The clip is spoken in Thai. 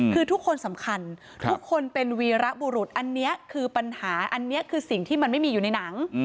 คือทุกคนสำคัญทุกคนเป็นวีระบุรุษอันนี้คือปัญหาอันนี้คือสิ่งที่มันไม่มีอยู่ในหนัง